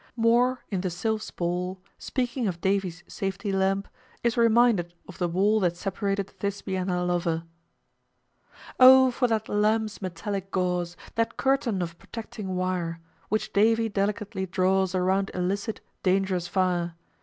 Moore, in the "Sylph's Ball," speaking of Davy's Safety Lamp, is reminded of the wall that separated Thisbe and her lover: "O for that Lamp's metallic gauze, That curtain of protecting wire, Which Davy delicately draws Around illicit, dangerous fire!